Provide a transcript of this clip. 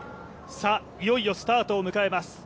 いよいよスタートを迎えます。